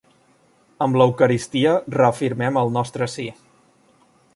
Amb l'Eucaristia reafirmem el nostre sí.